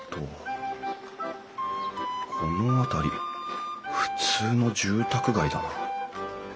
この辺り普通の住宅街だな。